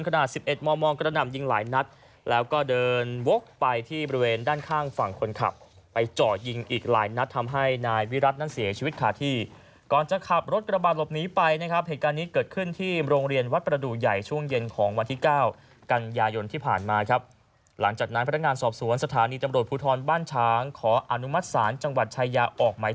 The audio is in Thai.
เผือนวกไปที่บริเวณด้านข้างฝั่งคนขับไปจ่อยิงอีกหลายนัดทำให้นายวิรัตน์นั้นเสียชีวิตขาดที่ก่อนจะขับรถกระบาดหลบหนีไปนะครับเหตุการณ์นี้เกิดขึ้นที่โรงเรียนวัดประดูกใหญ่ช่วงเย็นของวันที่เก้ากันยายนที่ผ่านมาครับหลังจากนั้นพัฒนางานสอบสวนสถานีตำรวจผู้ทรวนบ้านฉางขออนุมัติ